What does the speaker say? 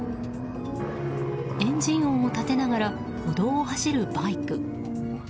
エンジン音を立てながら歩道を走るバイク。